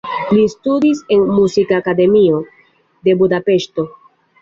Li studis en Muzikakademio de Budapeŝto.